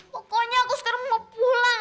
pokoknya aku sekarang mau pulang